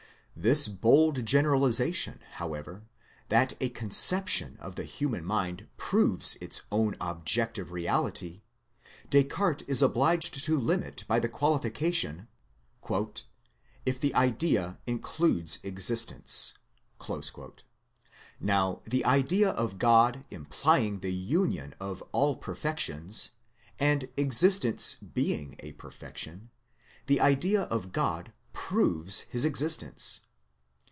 This bold generalization, however, that a conception of the human mind proves its own objective reality, Descartes is obliged to limit by the qualification " if the idea includes existence." Now the idea of God implying the union of all perfections, and existence being a perfection, the idea of God 162 THEISM proves his existence.